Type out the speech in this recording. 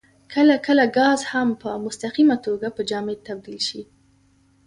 کله کله ګاز هم په مستقیمه توګه په جامد تبدیل شي.